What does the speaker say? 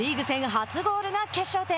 初ゴールが決勝点。